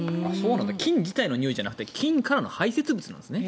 菌自体のにおいじゃなくて菌からの排せつ物なんですね。